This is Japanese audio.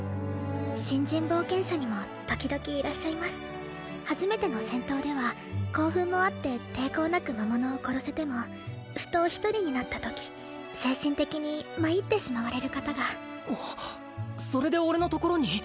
新人冒険者にも時々いらっしゃいます初めての戦闘では興奮もあって抵抗なく魔物を殺せてもふと一人になったとき精神的に参ってしまわれる方がそれで俺のところに？